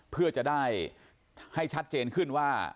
เพื่อจะได้ให้ชัดเจนขึ้นว่า